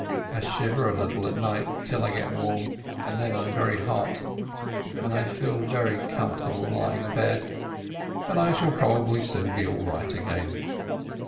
I shiver a little at night till I get warm, and then I am very hot, and I feel very comfortable lying abed. But I shall probably soon be all right again.